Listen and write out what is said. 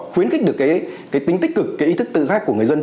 khuyến khích được cái tính tích cực cái ý thức tự giác của người dân